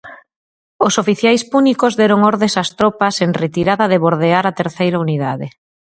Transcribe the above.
Os oficiais púnicos deron ordes ás tropas en retirada de bordear á terceira unidade.